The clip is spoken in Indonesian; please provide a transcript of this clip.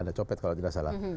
ada copet kalau tidak salah